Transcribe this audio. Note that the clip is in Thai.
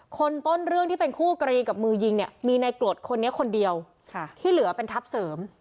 คนต้นเรื่องที่เป็นคู่กรณีกับมือยิงเนี่ยมีในกรดคนนี้คนเดียวที่เหลือเป็นทัพเสริม